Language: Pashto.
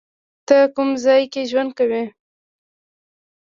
ته کوم ځای کې ژوند کوی؟